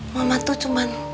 mama tuh cuman